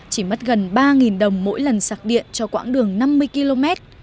chỉ mất gần ba đồng mỗi lần sạc điện cho quãng đường năm mươi km